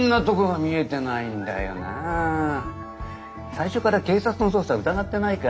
最初から警察の捜査疑ってないかい？